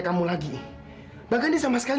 kamu lagi bahkan dia sama sekali